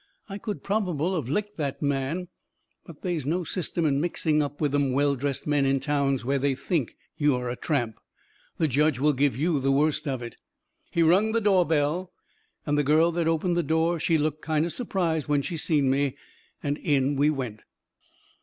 I could probable of licked that man, but they's no system in mixing up with them well dressed men in towns where they think you are a tramp. The judge will give you the worst of it. He rung the door bell and the girl that opened the door she looked kind o' surprised when she seen me, and in we went.